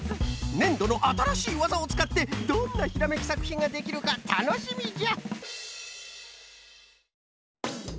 ねんどのあたらしいわざをつかってどんなひらめきさくひんができるかたのしみじゃ！